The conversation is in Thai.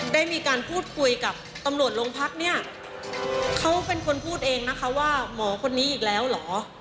ได้มีการพูดคุยกับตำรวจโรงพักเนี่ยเขาเป็นคนพูดเองนะคะว่าหมอคนนี้อีกแล้วเหรอ